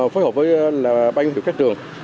phối hợp với băng hiệu các trường